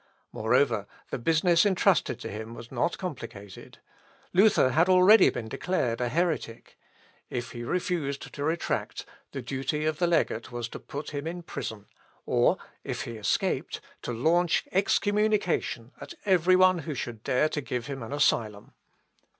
Moreover, the business entrusted to him was not complicated. Luther had already been declared a heretic. If he refused to retract, the duty of the legate was to put him in prison; or if he escaped, to launch excommunication at every one who should dare to give him an asylum.